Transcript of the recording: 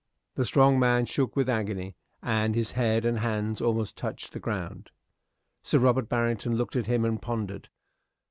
The strong man shook with agony, and his head and hands almost touched the ground. Sir Robert Barrington looked at him and pondered.